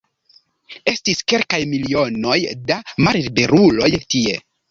Estis kelkaj milionoj da malliberuloj tie.